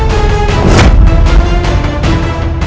kita akan perlukal